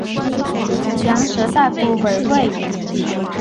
羊舌大夫为尉。